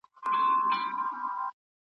ایا ستا لارښود استاد ستا نظر ومانه؟